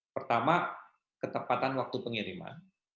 pertama ketepatan waktu pengiriman